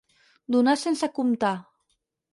Donar sense comptar.